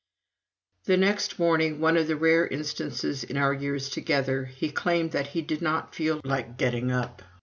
The next morning, one of the rare instances in our years together, he claimed that he did not feel like getting up.